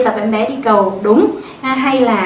sập em bé đi cầu đúng hay là